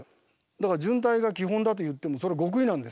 だから順体が基本だといってもそれ極意なんです。